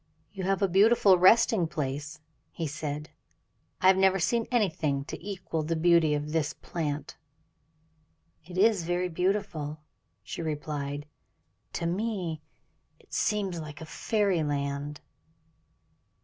"You have a beautiful resting place," he said. "I have never seen anything to equal the beauty of this plant." "It is very beautiful," she replied; "to me it seems like fairyland."